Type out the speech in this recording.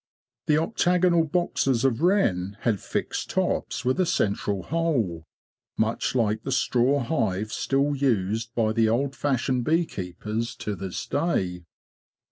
The octagonal boxes of Wren had fixed tops with a central hole, much like the straw hive still used by the old fashioned bee keepers to this day.